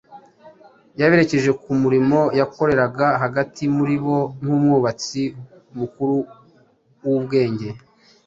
Yaberekeje ku murimo yakoreraga hagati muri bo nk’uw’“umwubatsi mukuru w’ubwenge,”